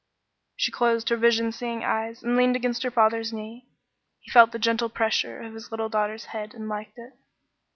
She closed her vision seeing eyes and leaned against her father's knee. He felt the gentle pressure of his little daughter's head and liked it.